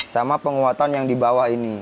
sama penguatan yang di bawah ini